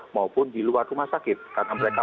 maupun di luar rumah sakit karena mereka